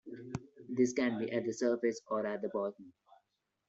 This can be at the surface or at the bottom.